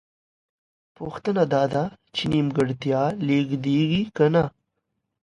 پوښتنه دا ده چې نیمګړتیا لېږدېږي که نه؟